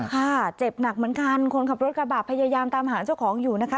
ค่ะเจ็บหนักเหมือนกันคนขับรถกระบะพยายามตามหาเจ้าของอยู่นะคะ